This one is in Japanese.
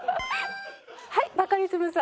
はいバカリズムさん。